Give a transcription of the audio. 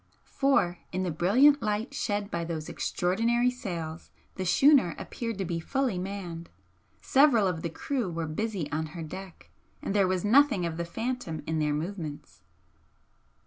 For, in the brilliant light shed by those extraordinary sails, the schooner appeared to be fully manned. Several of the crew were busy on her deck and there was nothing of the phantom in their movements.